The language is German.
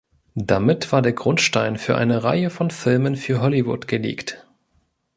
Damit war der Grundstein für eine Reihe von Filmen für Hollywood gelegt.